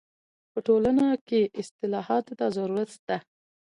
په ټولنه کي اصلاحاتو ته ضرورت سته.